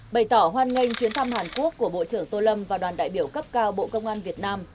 bày tỏ hoan nghênh chuyến thăm hàn quốc của bộ trưởng tô lâm và đoàn đại biểu cấp cao bộ công an việt nam